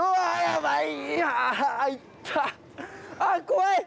あっ怖い！